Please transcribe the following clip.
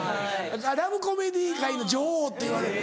ラブコメディー界の女王っていわれる。